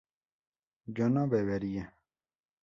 ¿yo no bebería?